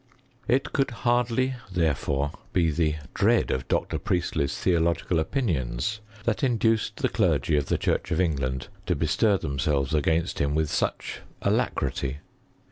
It could hardly, therefore, be the dread of Dr< Priestley's theological opinions that induced ths clergy of the church of England to bestir them'* selves against him with such alacrity.